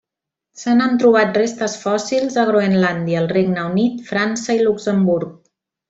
Se n'han trobat restes fòssils a Groenlàndia, el Regne Unit, França i Luxemburg.